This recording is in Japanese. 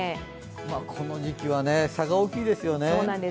この時期は差が大きいですよね。